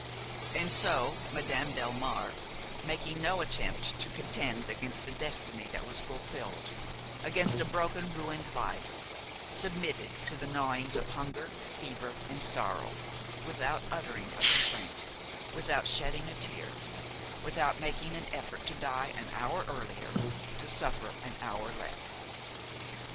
And so Madame Delmare, making no attempt to contend against a destiny that was fulfilled, against a broken, ruined life, submitted to the gnawings of hunger, fever and sorrow without uttering a complaint, without shedding a tear, without making an effort to die an hour earlier, to suffer an hour less.